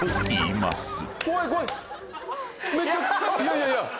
いやいやいや。